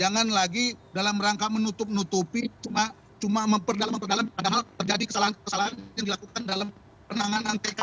jangan lagi dalam rangka menutup nutupi cuma memperdalam memperdalam padahal terjadi kesalahan kesalahan yang dilakukan dalam penanganan tkp